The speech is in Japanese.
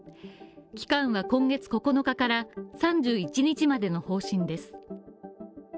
期間は今月９日から３１日までの方針です。